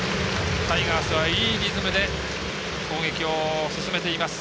タイガース、いいリズムで攻撃を進めています。